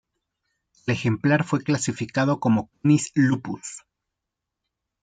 El ejemplar fue clasificado como "Canis lupus".